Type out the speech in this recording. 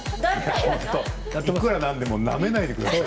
いくら何でもなめないでください。